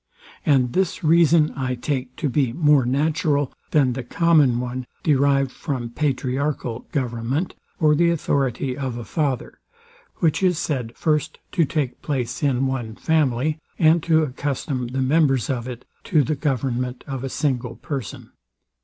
And this reason I take to be more natural, than the common one derived from patriarchal government, or the authority of a father, which is said first to take place in one family, and to accustom the members of it to the government of a single person.